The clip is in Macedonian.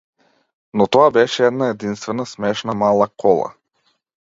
Но тоа беше една единствена, смешна мала кола.